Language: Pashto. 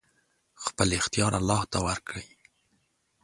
خپل اختيار الله ته ورکړئ!